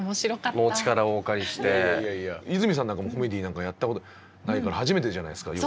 泉さんなんかもコメディーなんかやったことないから初めてじゃないですか。